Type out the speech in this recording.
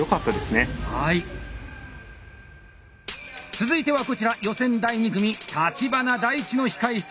続いてはこちら予選第２組橘大地の控え室。